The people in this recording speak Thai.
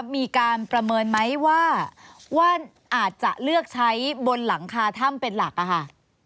มีการประเมินไหมว่าอาจจะเลือกใช้บนหลังคาถ้ำเป็นหลักอะค่ะ